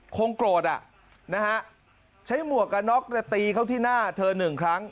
คงโกรธอ่ะนะฮะใช้หมวกกับน็อกแต่ตีเขาที่หน้าเธอ๑ครั้ง